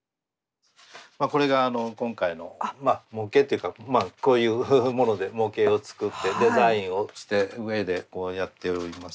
これがあの今回のまあ模型というかこういうもので模型を作ってデザインをした上でやっております。